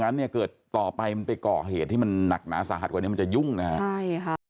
งั้นเนี่ยเกิดต่อไปมันไปก่อเหตุที่มันหนักหนาสาหัสกว่านี้มันจะยุ่งนะฮะใช่ค่ะ